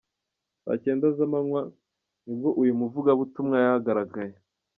Saa cyenda z’ amanywa nibwo uyu muvugabutumwa yahagaragaraye.